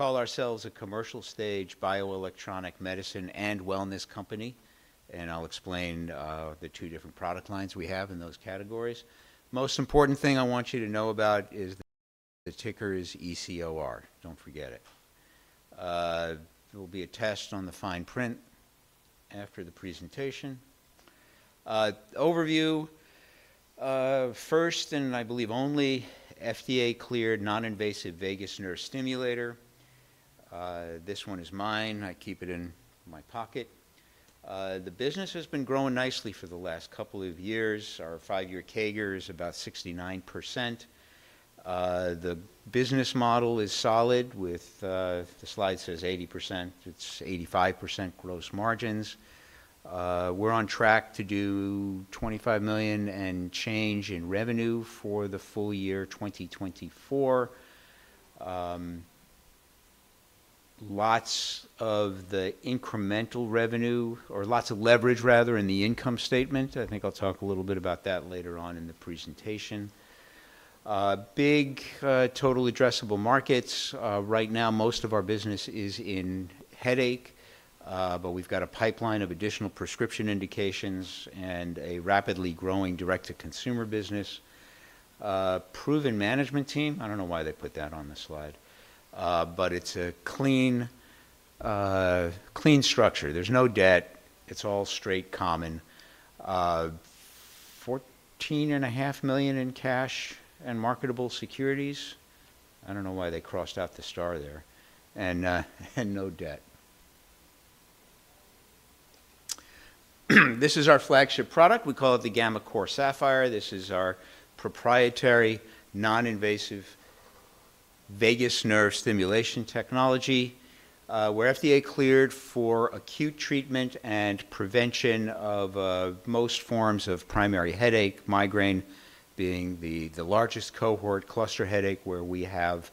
We call ourselves a commercial stage bioelectronic medicine and wellness company. I'll explain the two different product lines we have in those categories. Most important thing I want you to know about is the ticker is ECOR. Don't forget it. There will be a test on the fine print after the presentation. Overview first. I believe only FDA-cleared non-invasive vagus nerve stimulator. This one is mine. I keep it in my pocket. The business has been growing nicely for the last couple of years. Our five-year CAGR is about 69%. The business model is solid with the slide says 80%. It's 85% gross margins. We're on track to do $25 million and change in revenue for the full year 2024. Lots of the incremental revenue or lots of leverage rather in the income statement. I think I'll talk a little bit about that later on in the presentation. Big total addressable markets. Right now most of our business is in headache. But we've got a pipeline of additional prescription indications and a rapidly growing direct-to-consumer business proven management team. I don't know why they put that on the slide, but it's a clean structure. There's no debt. It's all straight common $14.5 million in cash and marketable securities. I don't know why they crossed out the star there. And no debt. This is our flagship product. We call it the gammaCore Sapphire. This is our proprietary non-invasive vagus nerve stimulation technology. We're FDA cleared for acute treatment and prevention of most forms of primary headache. Migraine being the largest cohort, cluster headache where we have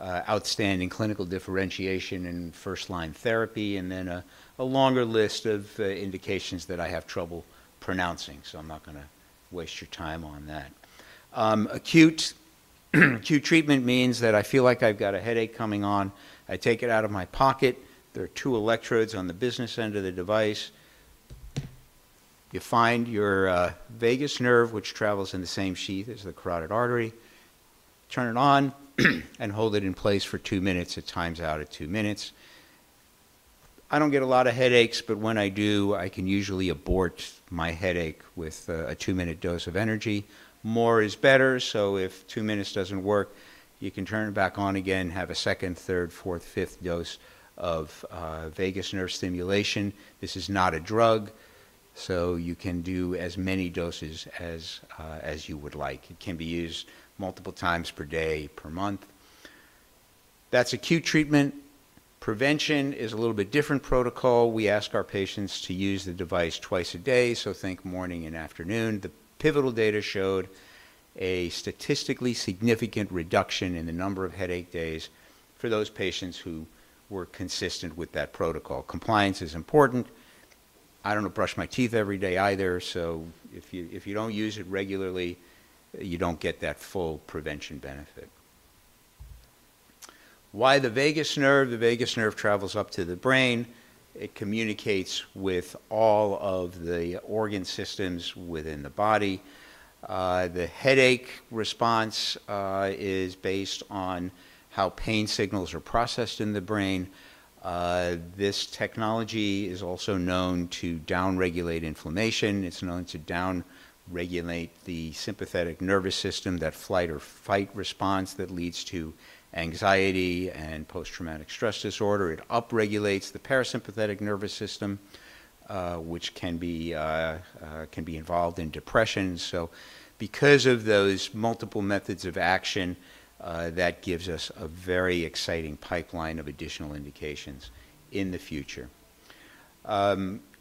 outstanding clinical differentiation in first-line therapy and then a longer list of indications that I have trouble pronouncing. So I'm not going to waste your time on that. Acute treatment means that I feel like I've got a headache coming on. I take it out of my pocket. There are two electrodes on the business end of the device. You find your vagus nerve which travels in the same sheath as the carotid artery. Turn it on and hold it in place for two minutes. It times out at two minutes. I don't get a lot of headaches, but when I do, I can usually abort my headache with a two-minute dose of energy. More is better. So if two minutes doesn't work, you can turn it back on again, have a second, third, fourth, fifth dose of vagus nerve stimulation. This is not a drug, so you can do as many doses as you would like. It can be used multiple times per day, per month. That's acute treatment. Prevention is a little bit different protocol. We ask our patients to use the device twice a day. So think morning and afternoon. The pivotal data showed a statistically significant reduction in the number of headache days. For those patients who were consistent with that protocol, compliance is important. I don't brush my teeth every day either. So if you don't use it regularly you don't get that full prevention benefit. Why the vagus nerve? The vagus nerve travels up to the brain. It communicates with all of the organ systems within the body. The headache response is based on how pain signals are processed in the brain. This technology is also known to downregulate inflammation. It's known to downregulate the sympathetic nervous system, that fight or flight response that leads to anxiety and post-traumatic stress disorder. It upregulates the parasympathetic nervous system which can be involved in depression. So because of those multiple methods of action that gives us a very exciting pipeline of additional indications in the future.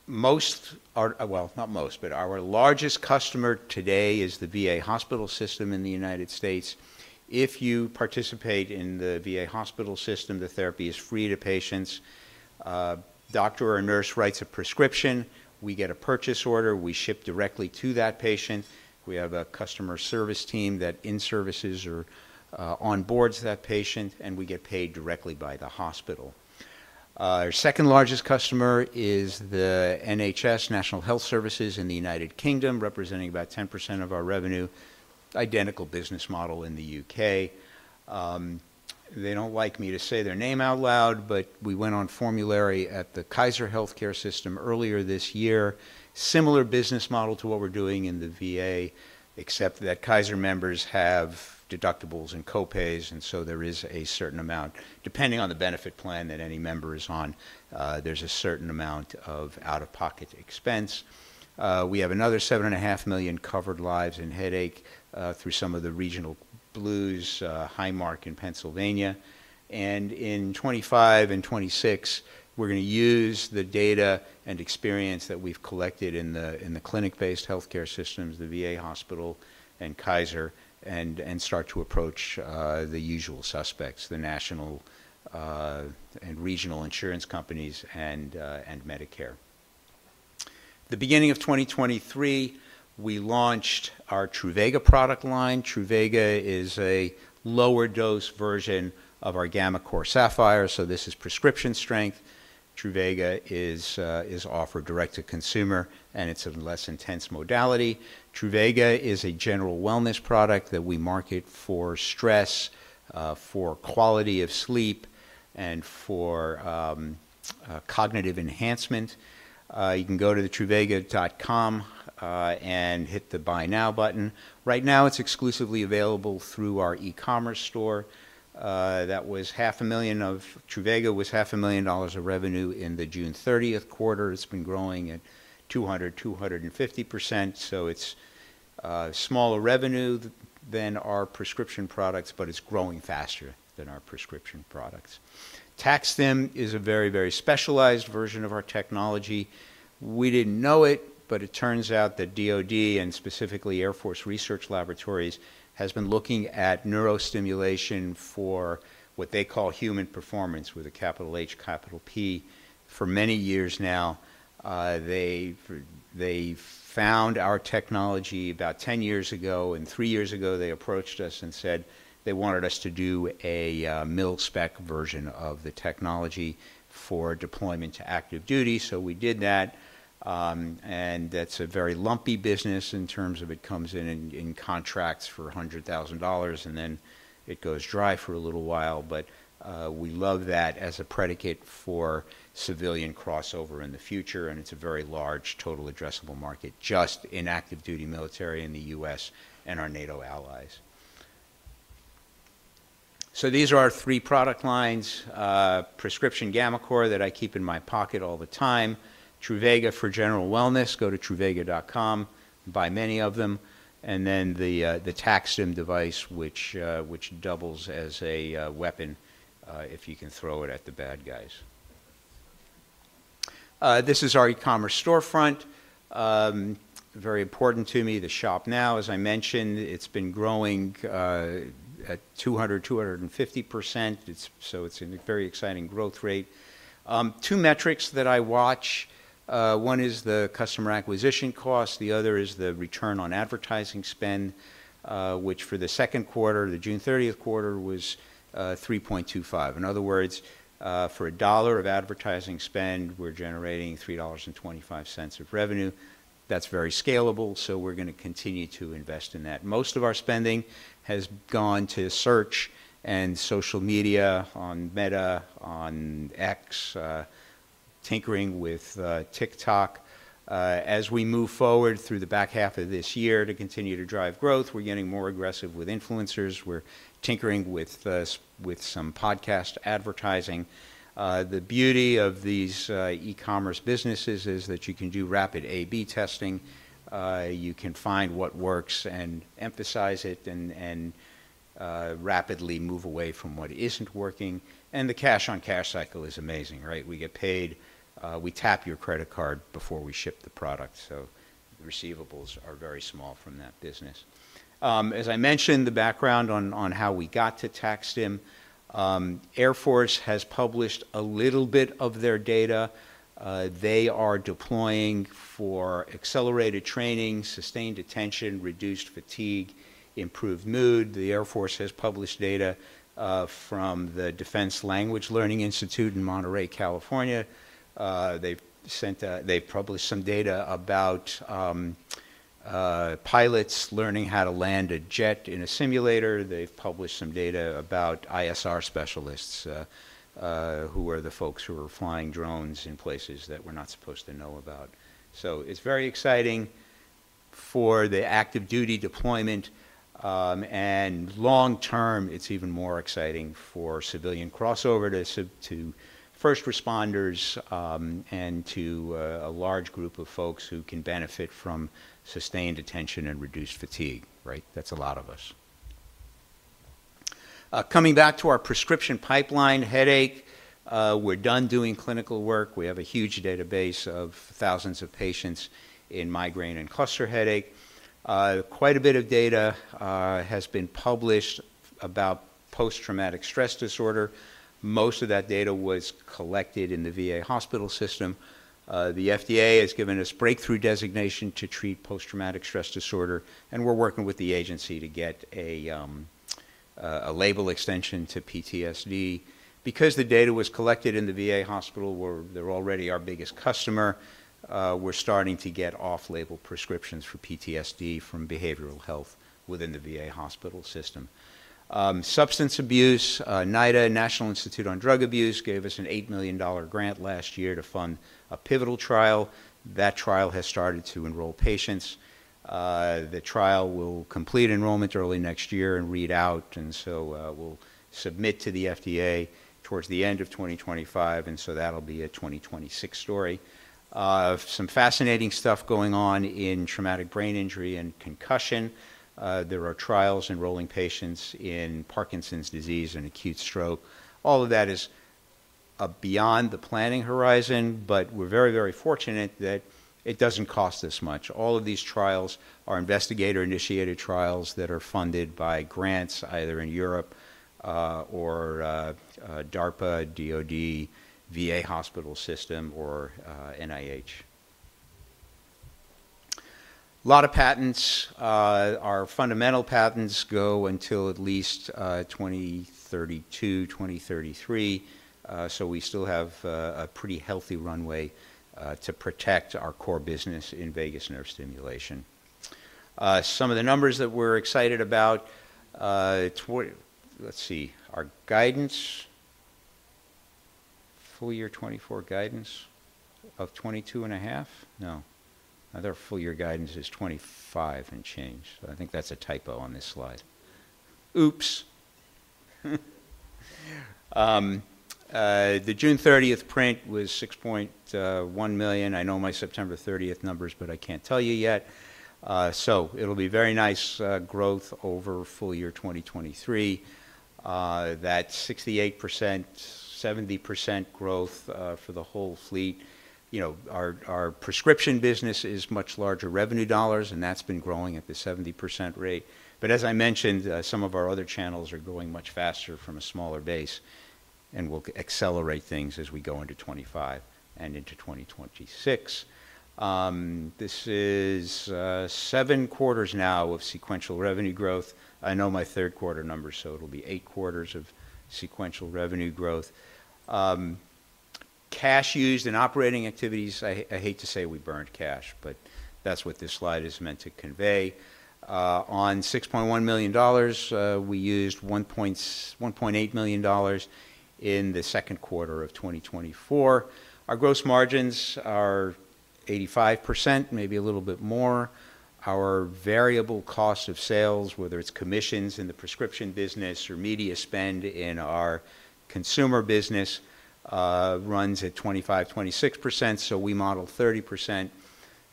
Most, well, not most but our largest customer today is the VA hospital system in the United States. If you participate in the VA hospital system, the therapy is free to patients. Doctor or nurse writes a prescription, we get a purchase order, we ship directly to that patient. We have a customer service team that inservices or onboards that patient and we get paid directly by the hospital. Our second largest customer is the NHS, National Health Service in the United Kingdom representing about 10% of our revenue. Identical business model in the UK. They don't like me to say their name out loud but we went on formulary at the Kaiser Healthcare System earlier this year. Similar business model to what we're doing in the VA except that Kaiser members have deductibles and co-pays and so there is a certain amount of depending on the benefit plan that any member is on, there's a certain amount of out-of-pocket expense. We have another 7.5 million covered lives and headache through some of the regional Blues, Highmark in Pennsylvania. In 2025 and 2026 we're going to use the data and experience that we've collected in the clinic-based healthcare systems, the VA Hospital and Kaiser and start to approach the usual suspects, the national and regional insurance companies and Medicare. At the beginning of 2023 we launched our Truvaga product line. Truvaga is a lower dose version of our gammaCore Sapphire. So this is prescription strength. Truvaga is offered direct to consumer and it's a less intense modality. Truvaga is a general wellness product that we market for stress, for quality of sleep, and for cognitive enhancement. You can go to the truvaga.com and hit the buy now button. Right now it's exclusively available through our e-commerce store. That was $500,000 of Truvaga revenue in the June 30 quarter. It's been growing at 200%-250%. It's smaller revenue than our prescription products, but it's growing faster than our prescription products. TAC-STIM is a very, very specialized version of our technology. We didn't know it, but it turns out that DoD and specifically Air Force Research Laboratory has been looking at neurostimulation for what they call Human Performance with a capital H capital P for many years now. They found our technology about 10 years ago and three years ago they approached us and said they wanted us to do a mil-spec version of the technology for deployment to active duty. We did that. That's a very lumpy business in terms of it comes in contracts for $100,000 and then it goes dry for a little while. We love that as a predicate for civilian crossover in the future. And it's a very large total addressable market just in active duty military in the US and our NATO allies. So these are our three product lines. Prescription gammaCore that I keep in my pocket all the time. Truvaga for general wellness. Go to truvaga.com, buy many of them and then the TAC-STIM device which doubles as a weapon if you can throw it at the bad guys. This is our e-commerce storefront. Very important to me, the shop. Now, as I mentioned, it's been growing at 200%-250%. So it's a very exciting growth rate. Two metrics that I watch, one is the customer acquisition cost. The other is the return on advertising spend, which for the second quarter, the June 30 quarter was 3.25. In other words, for a dollar of advertising spend, we're generating $3.25 of revenue. That's very scalable. So we're going to continue to invest in that. Most of our spending has gone to search and social media on Meta, on X, tinkering with TikTok as we move forward through the back half of this year to continue to drive growth. We're getting more aggressive with influencers. We're tinkering with some podcast advertising. The beauty of these e-commerce businesses is that you can do rapid A/B testing. You can find what works and emphasize it and rapidly move away from what isn't working. And the cash on cash cycle is amazing. Right. We get paid. We tap your credit card before we ship the product. So receivables are very small from that business. As I mentioned, the background on how we got to TAC-STIM. Air Force has published a little bit of their data. They are deploying for accelerated training, sustained attention, reduced fatigue, improved mood. The Air Force has published data from the Defense Language Institute in Monterey, California. They published some data about pilots learning how to land a jet in a simulator. They've published some data about ISR specialists who are the folks who are flying drones in places that we're not supposed to know about. So it's very exciting for the active duty deployment and long term, it's even more exciting for civilian crossover to first responders and to a large group of folks who can benefit from sustained attention and reduced fatigue. Right. That's a lot of us coming back to our prescription pipeline. Headache. We're done doing clinical work. We have a huge database of thousands of patients in migraine and cluster headache. Quite a bit of data has been published about post-traumatic stress disorder. Most of that data was collected in the VA hospital system. The FDA has given us breakthrough designation to treat post-traumatic stress disorder. We're working with the agency to get a label extension to PTSD. Because the data was collected in the VA hospital, they're already our biggest customer. We're starting to get off-label prescriptions for PTSD from behavioral health within the VA hospital system. Substance abuse. NIDA, National Institute on Drug Abuse, gave us an $8 million grant last year to fund a pivotal trial. That trial has started to enroll patients. The trial will complete enrollment early next year and read out. We'll submit to the FDA towards the end of 2025. That'll be a 2026 story. Some fascinating stuff going on in traumatic brain injury and concussion. There are trials enrolling patients in Parkinson's disease and acute stroke. All of that is beyond the planning horizon, but we're very, very fortunate that it doesn't cost as much. All of these trials are investigator initiated trials that are funded by grants either in Europe or DARPA, DoD, VA hospital system or NIH. Lot of patents. Our fundamental patents go until at least 2032, 2033. So we still have a pretty healthy runway to protect our core business in vagus nerve stimulation. Some of the numbers that we're excited about. Let's see our guidance. Full year 2024 guidance of $22.5 million. No other full year guidance is $25 million and change. I think that's a typo on this slide. Oops. The June 30 print was $6.1 million. I know my September 30 numbers, but I can't tell you yet. So it'll be very nice growth over full year 2023, that 68%-70% growth for the whole fleet. You know, our prescription business is much larger revenue dollars and that's been growing at the 70% rate. But as I mentioned, some of our other channels are growing much faster from a smaller base and we'll accelerate things as we go into 2025 and into 2026. This is 7/4 now of sequential revenue growth. I know my third quarter numbers, so it'll be 8/4 of sequential revenue growth. Cash used in operating activities. I hate to say we burned cash, but that's what this slide is meant to convey. On $6.1 million, we used $1.8 million. In the second quarter of 2024, our gross margins are 85%, maybe a little bit more. Our variable cost of sales, whether it's commissions in the prescription business or media spend in our consumer business runs at 25%-26%. So we model 30%.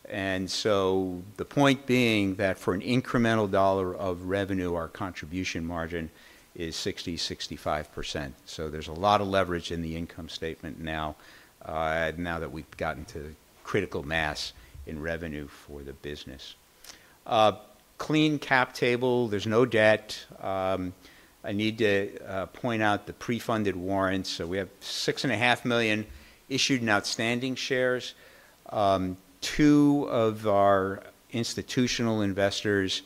And so the point being that for an incremental dollar of revenue, our contribution margin is 60%-65%. So there's a lot of leverage in the income statement now that we've gotten to critical mass in revenue for the business. Clean cap table, there's no debt. I need to point out the pre-funded warrants. So we have 6.5 million issued and outstanding shares. Two of our institutional investors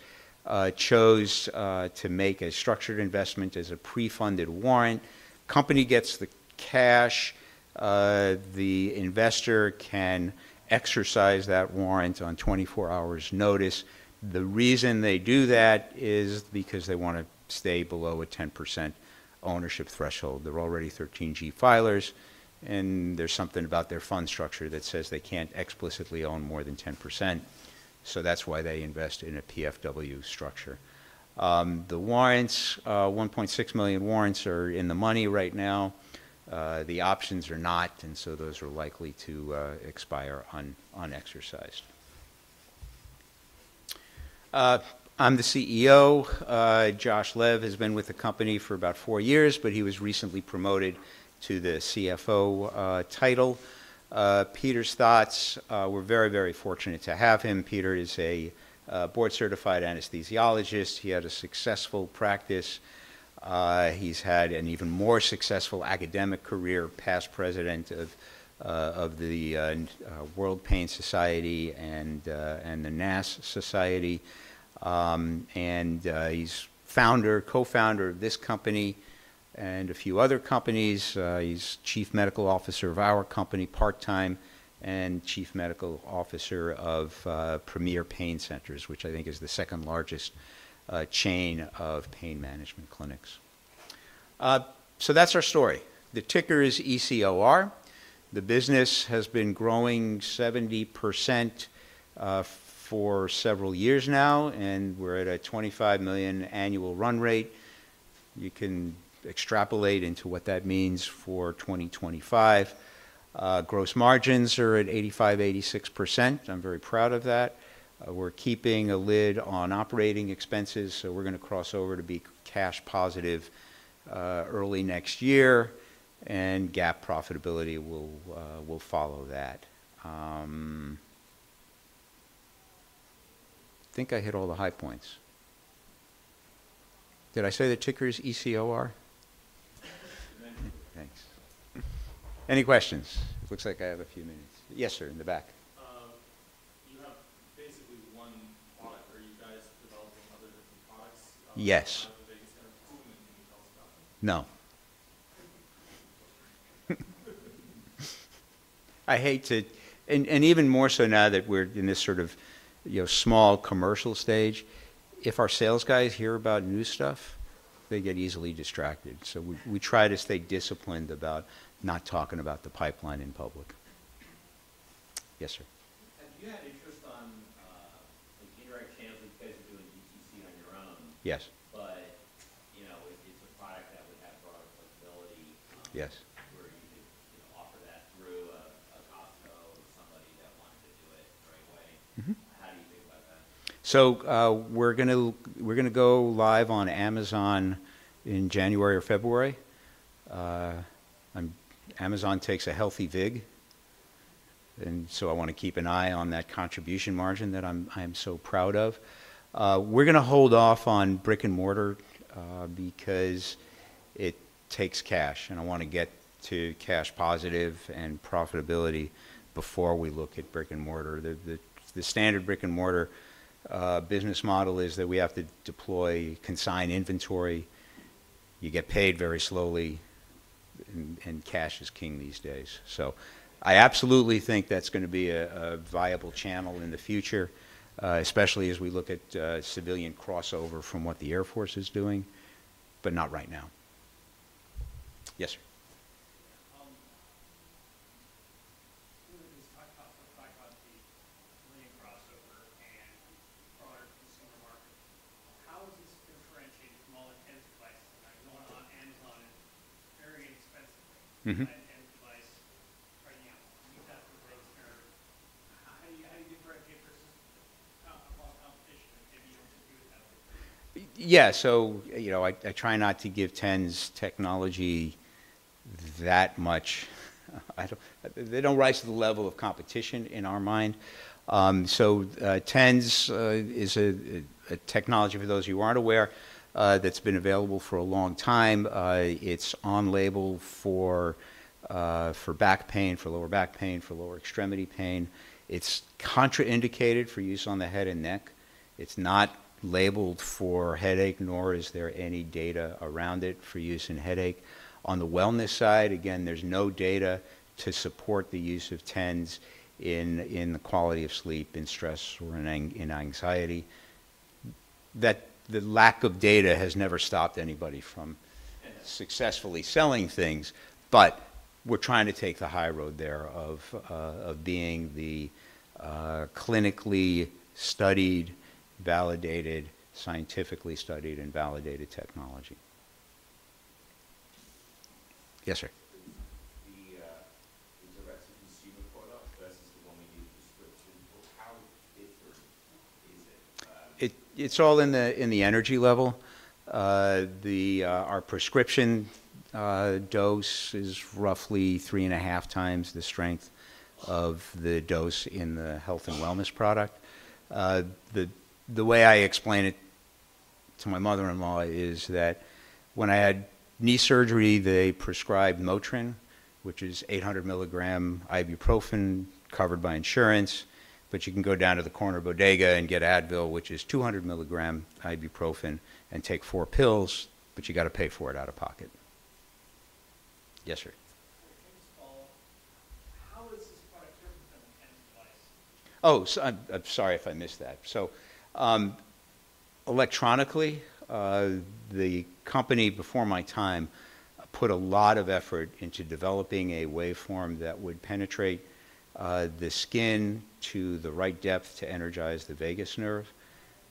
chose to make a structured investment as a pre-funded warrant. Company gets the cash, the investor can exercise that warrant on 24 hours notice. The reason they do that is because they want to stay below a 10% ownership threshold. They're already 13G filers and there's something about their fund structure that says they can't explicitly own more than 10%. So that's why they invest in a PFW structure. The warrants, 1.6 million warrants are in the money right now. The options are not and so those are likely to expire unexercised. I'm the CEO. Josh Lev has been with the company for about four years, but he was recently promoted to the CFO title. Peter Staats. We're very, very fortunate to have him. Peter is a board-certified anesthesiologist. He had a successful practice. He's had an even more successful academic career, Past President of the World Institute of Pain and the NANS Society. And he's founder, co-founder of this company and a few other companies. He's Chief Medical Officer of our company part time and Chief Medical Officer of Premier Pain Centers, which I think is the second largest chain of pain management clinics. So that's our story. The ticker is ECOR. The business has been growing 70% for several years now and we're at a $25 million annual run rate. You can extrapolate into what that means for 2025. Gross margins are at 85%-86%. I'm very proud of that. We're keeping a lid on operating expenses. So we're going to cross over to be cash positive early next year and GAAP profitability will follow that. I think I hit all the high points. Did I say the tickers? ECOR. Thanks. Any questions? Looks like I have a few minutes. Yes, sir. In the back. Yes. No, I hate to, and even more so now that we're in this sort of small commercial stage. If our sales guys hear about new stuff, they get easily distracted. So we try to stay disciplined about not talking about the pipeline in public. Yes, sir. Have you had interest in indirect channels, doing DTC on your own? Yes, but you know, it's a product that would have. Where you could offer that through a Costco or somebody that wanted to do it right away. How do you think about that? So we're going to go live on Amazon in January or February. Amazon takes a healthy vig and so I want to keep an eye on that contribution margin that I am so proud of. We're going to hold off on brick and mortar because it takes cash and I want to get to cash positive and profitability before we look at brick and mortar. The standard brick and mortar business model is that we have to deploy, consign inventory. You get paid very slowly and cash is king these days. So I absolutely think that's going to be a viable channel in the future, especially as we look at civilian crossover from what the Air Force is doing. But not right now. Yes, sir. How is this differentiated from all invasive devices? Yeah, so, you know, I try not to give TENS technology that much. They don't rise to the level of competition in our mind. So TENS is a technology for those who aren't aware that's been available for a long time. It's on label for back pain, for lower back pain, for lower extremity pain. It's contraindicated for use on the head and neck. It's not labeled for headache, nor is there any data around it for use in headache. On the wellness side again, there's no data to support the use of TENS in the quality of sleep, in stress or in anxiety. The lack of data has never stopped anybody from successfully selling things. But we're trying to take the high road there of being the clinically studied, validated, scientifically studied and validated technology. Yes sir. It's all in the energy level. Our prescription dose is roughly three and a half times the strength of the dose in the health and wellness product. The way I explain it to my mother-in-law is that when I had knee surgery they prescribed Motrin, which is 800 milligram ibuprofen covered by insurance. But you can go down to the corner bodega and get Advil, which is 200 milligram ibuprofen and take four pills. But you got to pay for it out of pocket. Yes, sir. How is this product different than the TENS device? Oh, I'm sorry if I missed that. So, electronically. The company, before my time, put a lot of effort into developing a waveform that would penetrate the skin to the right depth to energize the vagus nerve.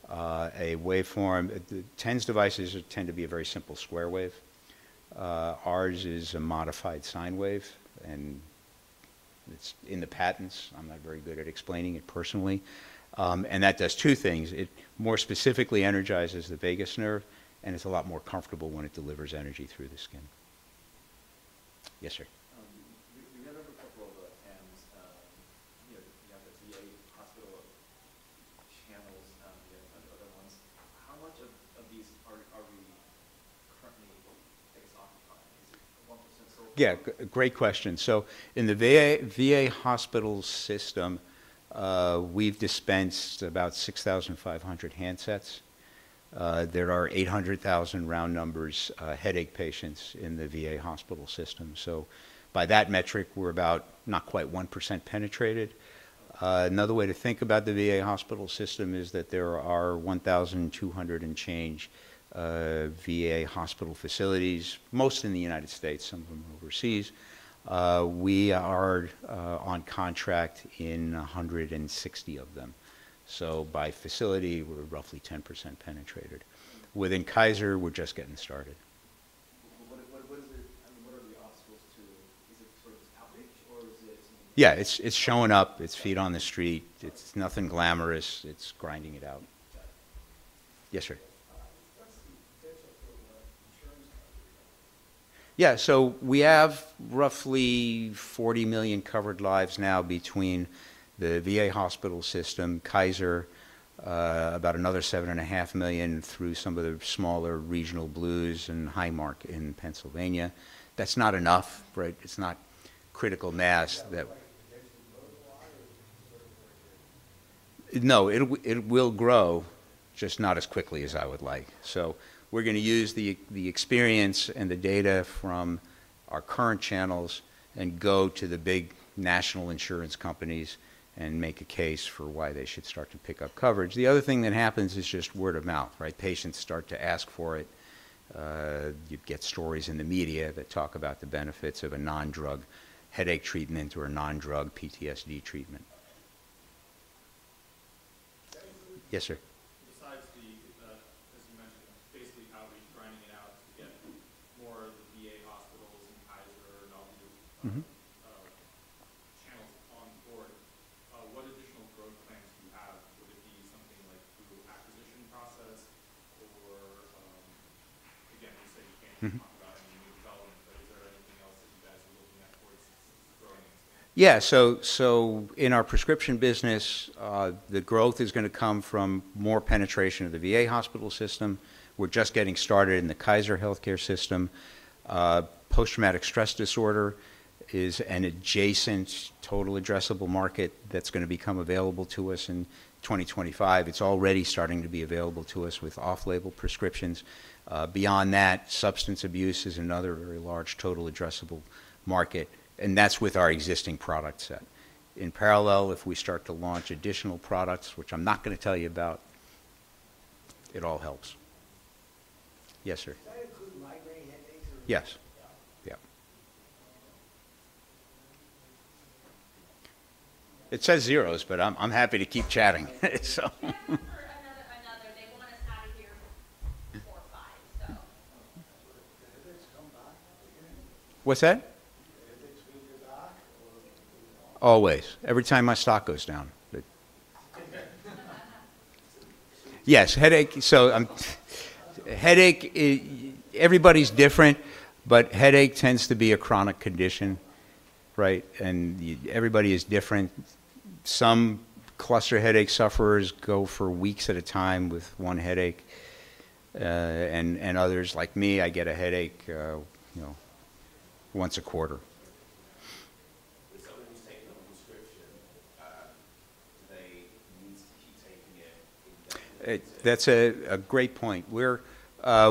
A waveform? TENS devices tend to be a very simple square wave. Ours is a modified sine wave and it's in the patents. I'm not very good at explaining it personally and that does two things. It more specifically energizes the vagus nerve and it's a lot more comfortable when it delivers energy through the skin. Yes, sir. Channels. How much of these are we currently occupying? Yeah, great question. So in the VA hospital system we've dispensed about 6,500 handsets. There are 800,000 round numbers headache patients in the VA hospital system. So by that metric we're about not quite 1% penetrated. Another way to think about the VA hospital system is that there are 1,200 and change VA hospital facilities, most in the United States, some of them overseas. We are on contract in 160 of them. So by facility we're roughly 10% penetrated within Kaiser. We're just getting started. Yeah, it's showing up its feet on the street. It's nothing glamorous, it's grinding it out. Yes sir. Yeah. So we have roughly 40 million covered lives now between the VA hospital system, Kaiser about another 7.5 million through some of the smaller regional Blues and Highmark in Pennsylvania. That's not enough. It's not critical mass? No, it will grow, just not as quickly as I would like. So we're going to use the experience and the data from our current channels and go to the big national insurance companies and make a case for why they should start to pick up coverage. The other thing that happens is just word of mouth. Right. Patients start to ask for it. You get stories in the media that talk about the benefits of a non drug headache treatment or a non drug PTSD treatment. Yes, sir. We're out to get more VA hospitals and Kaiser and all the channels on board. What additional growth plans do you have? Would it be something like acquisition process or? Again, you said you can't talk about any new development, but is there anything else that you guys are looking at? Yeah. So in our prescription business, the growth is going to come from more penetration of the VA hospital system. We're just getting started in the Kaiser Healthcare System. Post-traumatic stress disorder is an adjacent total addressable market that's going to become available to us in 2025. It's already starting to be available to us with off-label prescriptions. Beyond that, substance abuse is another very large total addressable market and that's with our existing product set in parallel. If we start to launch additional products which I'm not going to tell you about, it all helps. Yes, sir. Yes. Yeah, it says zeros, but I'm happy to keep chatting. So. What's that? Always, every time my stock goes down? Yes. Headache. So headache. Everybody's different but headache tends to be a chronic condition. Right. And everybody is different. Some cluster headache sufferers go for weeks at a time with one headache, and others like me, I get a headache, you know, once a quarter. That's a great point.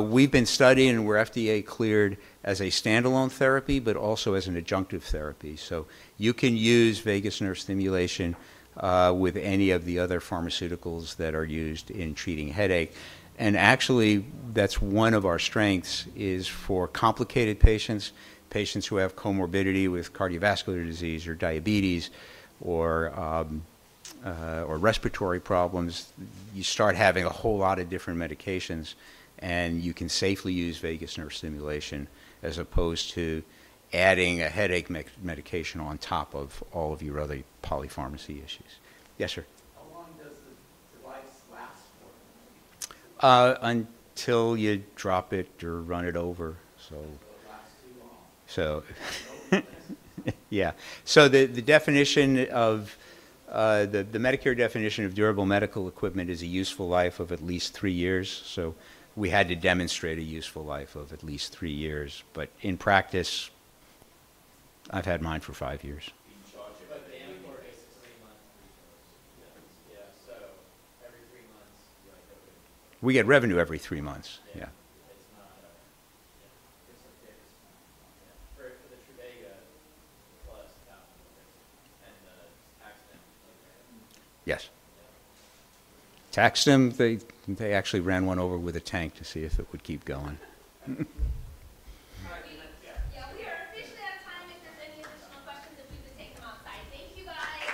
We've been studying, and we're FDA cleared as a standalone therapy, but also as an adjunctive therapy. So you can use vagus nerve stimulation with any of the other pharmaceuticals that are used in treating headache. And actually that's one of our strengths is for complicated patients, patients who have comorbidity with cardiovascular disease or diabetes or respiratory problems, you start having a whole lot of different medications, and you can safely use vagus nerve stimulation as opposed to adding a headache medication on top of all of your other polypharmacy issues. Yes, sir. How long does the device last for? Until you drop it or run it over. So. So yeah, so the definition of the Medicare definition of durable medical equipment is a useful life of at least three years. So we had to demonstrate a useful life of at least three years. But in practice, I've had mine for five years. We get revenue every three months. Yeah. Yes. TAC-STIM. They actually ran one over with a tank to see if it would keep going. Yeah, we are officially out of time. If there's any additional questions, we could take them outside. Thank you, guys.